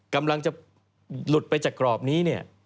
กำลังจะหลุดไปจากกรอบนี้เนี่ย